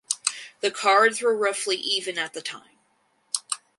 The cards were roughly even at the time.